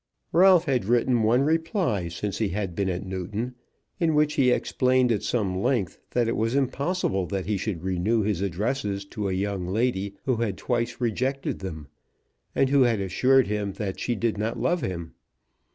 Ralph had written one reply since he had been at Newton, in which he explained at some length that it was impossible that he should renew his addresses to a young lady who had twice rejected them, and who had assured him that she did not love him.